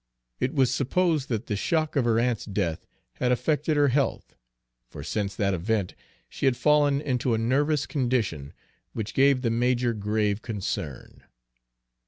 It was supposed that the shock of her aunt's death had affected her health, for since that event she had fallen into a nervous condition which gave the major grave concern.